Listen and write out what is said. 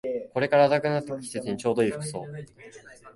これから暖かくなってくる季節にちょうどいい服装